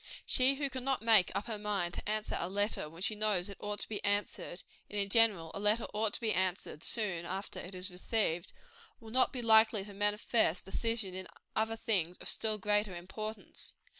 She who cannot make up her mind to answer a letter when she knows it ought to be answered and in general a letter ought to be answered soon after it is received will not be likely to manifest decision in other things of still greater importance.